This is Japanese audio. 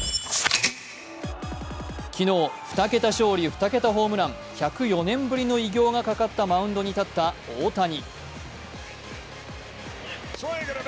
昨日、２桁勝利・２桁ホームラン１０４年ぶりの偉業がかかったマウンドに立った大谷。